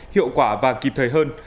hiệu quả và kịp thời hơn